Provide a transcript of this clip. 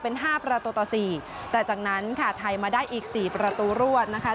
เป็นห้าประตูต่อสี่แต่จากนั้นค่ะไทยมาได้อีกสี่ประตูรวดนะคะ